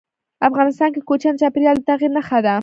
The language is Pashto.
افغانستان کې کوچیان د چاپېریال د تغیر نښه ده.